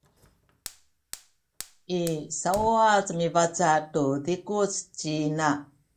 i sauwac mibaca’ tu zikuc ci ina